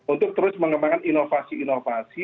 untuk terus mengembangkan inovasi inovasi